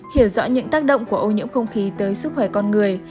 hiểu rõ những tác động của ô nhiễm không khí tới sức khỏe con người